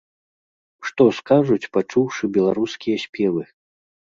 Што скажуць, пачуўшы беларускія спевы?